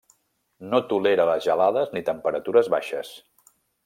No tolera les gelades ni temperatures baixes.